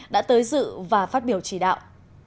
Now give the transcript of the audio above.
đã tới dự và phát biểu chỉ đạo